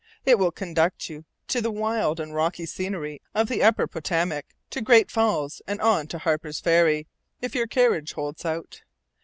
It will conduct you to the wild and rocky scenery of the upper Potomac, to Great Falls, and on to Harper's Ferry, if your courage holds out.